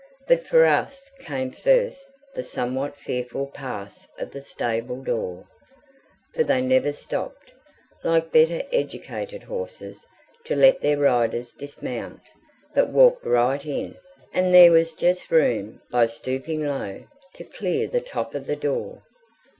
But for us came first the somewhat fearful pass of the stable door, for they never stopped, like better educated horses, to let their riders dismount, but walked right in, and there was just room, by stooping low, to clear the top of the door.